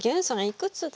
いくつだ？